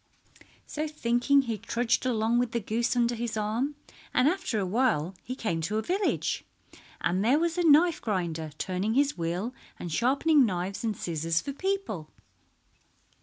So thinking he trudged along with the goose under his arm, and after awhile he came to a village, and there was a knife grinder turning his wheel and sharpening knives and scissors for people.